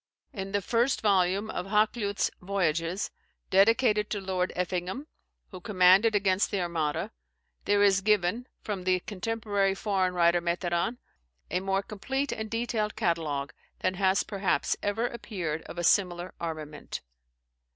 In the first volume of Hakluyt's "Voyages," dedicated to Lord Effingham, who commanded against the Armada, there is given (from the contemporary foreign writer, Meteran) a more complete and detailed catalogue than has perhaps ever appeared of a similar armament.